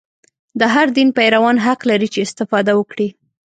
د هر دین پیروان حق لري چې استفاده وکړي.